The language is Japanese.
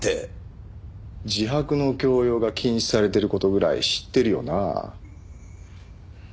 自白の強要が禁止されてる事ぐらい知ってるよな？